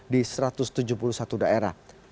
di satu ratus tujuh puluh satu daerah